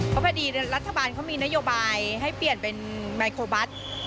เพราะพอดีรัฐบาลเขามีนโยบายให้เปลี่ยนเป็นไมโครบัส